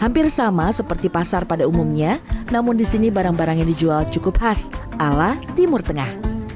hampir sama seperti pasar pada umumnya namun di sini barang barang yang dijual cukup khas ala timur tengah